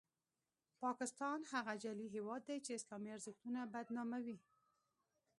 پاکستان هغه جعلي هیواد دی چې اسلامي ارزښتونه بدناموي.